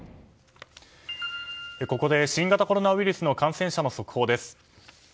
ここで新型コロナウイルスの感染者の速報です。